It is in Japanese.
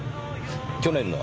去年の秋